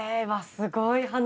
すごい話。